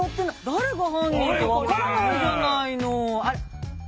誰が犯人か分からないじゃないの。